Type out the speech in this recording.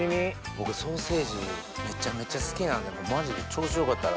僕ソーセージめちゃめちゃ好きなんでマジで調子良かったら。